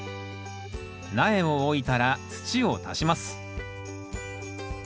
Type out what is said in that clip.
苗を置いたら土を足します。